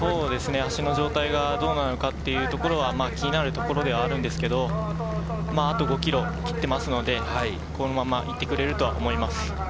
足の状態がどうなのか気になるところではあるんですけど、あと５ｋｍを切っていますので、このまま行ってくれると思います。